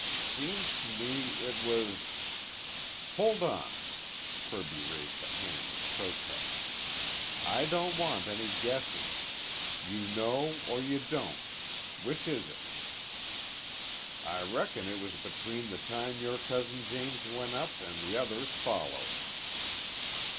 "Seems to me it was " "Hold on." Kirby raised a hand in protest. "I don't want any guesses. You know or you don't. Which is it?" "I reckon it was between the time yore cousin James went up an' the others followed."